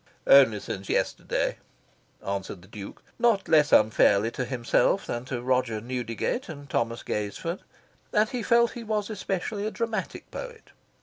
"Only since yesterday," answered the Duke (not less unfairly to himself than to Roger Newdigate and Thomas Gaisford). And he felt he was especially a dramatic poet.